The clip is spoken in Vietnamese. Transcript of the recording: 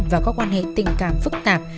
và có quan hệ tình cảm phức tạp